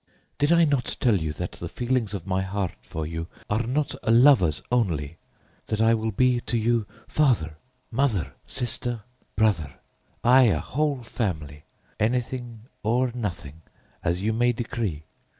Did I not tell you that the feelings of my heart for you are not a lover's only, that I will be to you father, mother, sister, brother ay, a whole family anything or nothing, as you may decree?